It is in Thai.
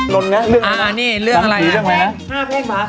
ล้นนะเรื่องอะไรน้ำผีเรื่องไหนนะอ่านี่เรื่องอะไรนะ